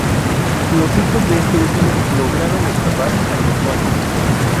Los hijos de este último lograron escapar a Lituania.